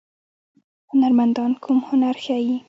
هنرمندان کوم هنر ښيي؟